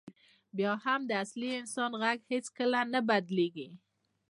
بیا هم د اصلي انسان غږ هېڅکله نه بدلېږي.